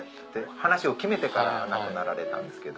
話を決めてから亡くなられたんですけど。